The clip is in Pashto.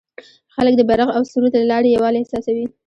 خلک د بیرغ او سرود له لارې یووالی احساسوي.